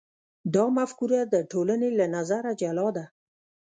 دا مفکوره د ټولنې له نظره جلا ده.